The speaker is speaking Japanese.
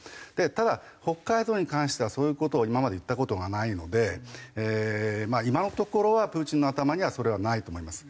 ただ北海道に関してはそういう事を今まで言った事がないのでまあ今のところはプーチンの頭にはそれはないと思います。